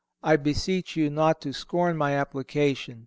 I beseech you not to scorn my application.